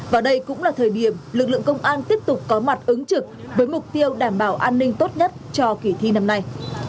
và đây cũng là thời điểm lực lượng công an tiếp tục có mặt ứng trực với mục tiêu đảm bảo an ninh tốt nhất cho kỳ thi năm nay